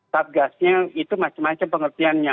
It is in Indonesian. satgasnya itu macam macam pengertiannya